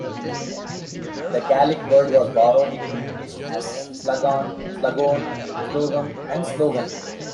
The Gaelic word was borrowed into English as "slughorn", "sluggorne", "slogum", and "slogan".